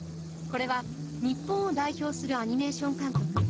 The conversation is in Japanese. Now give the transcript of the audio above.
これは日本を代表するアニメーション監督